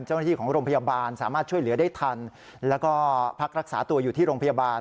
เจ้าหน้าที่ของโรงพยาบาลสามารถช่วยเหลือได้ทันแล้วก็พักรักษาตัวอยู่ที่โรงพยาบาล